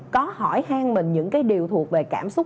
có hỏi hang mình những cái điều thuộc về cảm xúc